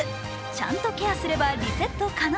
ちゃんとケアすればリセット可能。